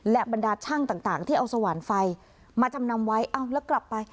และบรรดาช่างต่างที่เอาสว่านไฟมาจำนำไว้เอ้าแล้วกลับไป